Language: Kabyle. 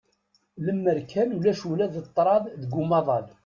Lemmer kan ulac ula d ṭṭraḍ deg umaḍal.